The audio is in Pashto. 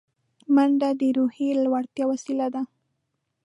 منډه د روحیې لوړتیا وسیله ده